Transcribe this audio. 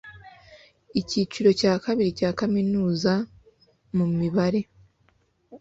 icyiciro cya kabiri cya kaminuza mumibare